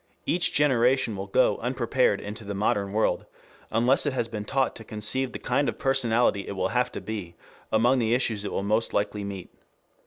Each generation will go unprepared into the modern world, unless it has been taught to conceive the kind of personality it will have to be among the issues it will most likely meet.